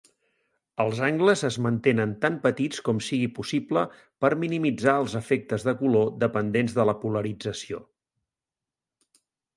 Els angles es mantenen tan petits com sigui possible per minimitzar els efectes de color dependents de la polarització.